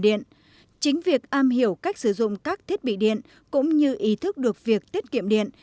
điện chính việc am hiểu cách sử dụng các thiết bị điện cũng như ý thức được việc tiết kiệm điện